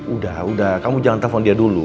udah udah kamu jangan telpon dia dulu